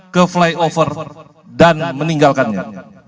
ke flyover dan meninggalkannya